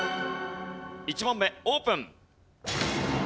１問目オープン。